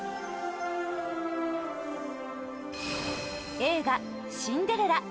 映画「シンデレラ」